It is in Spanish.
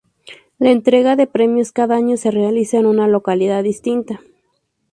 La entrega de premios cada año se realiza en una localidad distinta.